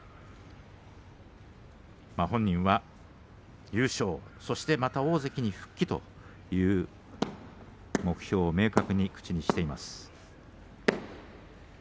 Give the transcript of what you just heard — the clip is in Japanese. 本人は優勝そしてまた大関に復帰という目標を、明確に口にしています。